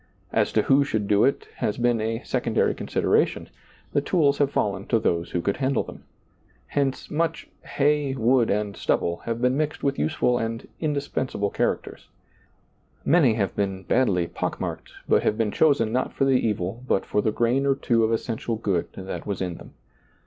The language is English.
As to who should do it has been a secondary consideration — the tools have fallen to those who could handle them. Hence, much " hay, wood, and stubble " have been mixed with useful and indispensable charac ters. Many have been badly pock marked, but have been chosen not for the evil but for the grain or two of essential good that was in them.